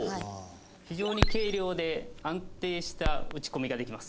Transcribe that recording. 非常に軽量で安定した打ち込みができます。